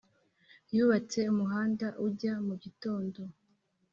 yubatse umuhanda ujya mugitondo,